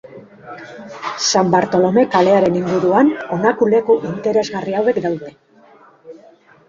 San Bartolome kalearen inguruan honako leku interesgarri hauek daude.